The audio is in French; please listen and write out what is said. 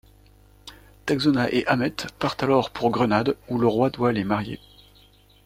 Tagzona et Hamet partent alors pour Grenade où le roi doit les marier.